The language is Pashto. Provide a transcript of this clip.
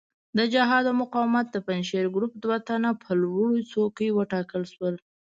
د جهاد او مقاومت د پنجشیري ګروپ دوه تنه په لوړو څوکیو وټاکل شول.